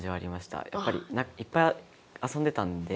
やっぱりいっぱい遊んでたので。